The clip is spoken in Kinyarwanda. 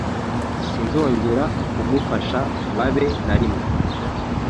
Sinzongera kugufasha babe narimwe.